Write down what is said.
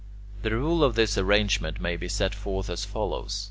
The rule of this arrangement may be set forth as follows.